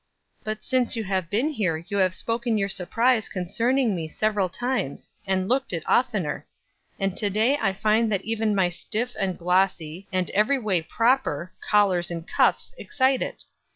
But since you have been here you have spoken your surprise concerning me several times, and looked it oftener; and to day I find that even my stiff and glossy, and every way proper, collars and cuffs excite it.